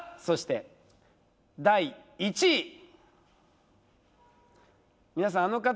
そして第１位